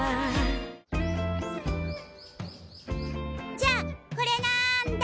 じゃあこれなんだ？